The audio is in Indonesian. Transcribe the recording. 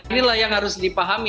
inilah yang harus dipahami